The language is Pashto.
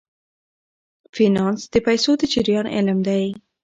فینانس د پیسو د جریان علم دی.